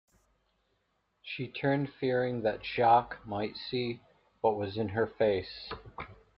She turned, fearing that Jacques might see what was in her face.